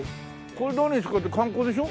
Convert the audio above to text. これ何に使うって観光でしょ？